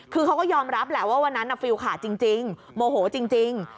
คือเขาก็ยอมรับแหละว่าวันนั้นฟิลขาดจริงโมโหจริง